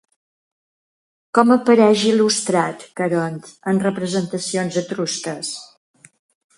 Com apareix il·lustrat Caront en representacions etrusques?